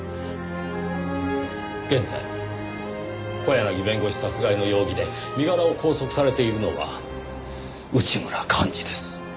現在小柳弁護士殺害の容疑で身柄を拘束されているのは内村完爾です。